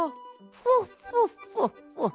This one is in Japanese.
フォッフォッフォッフォッ。